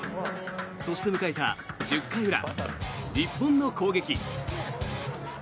そして迎えた１０回裏日本の攻撃。